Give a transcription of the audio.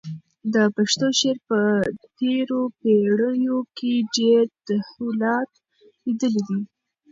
د پښتو شعر په تېرو پېړیو کې ډېر تحولات لیدلي دي.